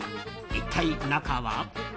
一体、中は？